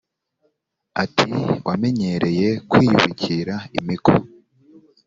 Ati: “Wamenyereye kwiyubikira imiko